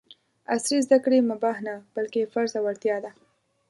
عصري زده کړې مباح نه ، بلکې فرض او اړتیا ده!